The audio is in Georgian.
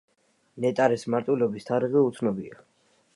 ნეტარის მარტვილობის თარიღი უცნობია.